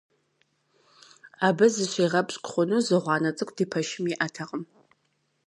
Абы зыщигъэпщкӀу хъуну зы гъуанэ цӀыкӀу ди пэшым иӀэтэкъым.